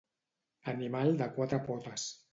Animal de quatre potes.